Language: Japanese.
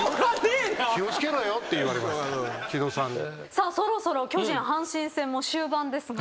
さあそろそろ巨人阪神戦も終盤ですが。